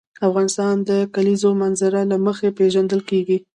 افغانستان د د کلیزو منظره له مخې پېژندل کېږي.